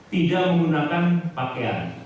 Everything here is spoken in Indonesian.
tidak menggunakan pakaian